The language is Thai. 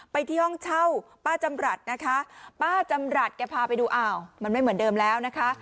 ที่ห้องเช่าป้าจำรัฐนะคะป้าจำรัฐแกพาไปดูอ้าวมันไม่เหมือนเดิมแล้วนะคะ